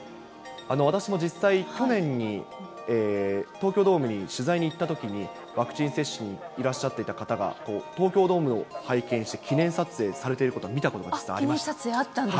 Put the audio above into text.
私も実際、去年に東京ドームに取材に行ったときに、ワクチン接種にいらっしゃっていた方が、東京ドームを背景にして記念撮影されてる方を見たことありました。